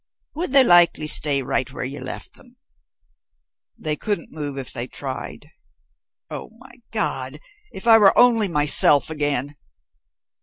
"Would they likely stay right where you left them?" "They couldn't move if they tried. Oh, my God if I were only myself again!"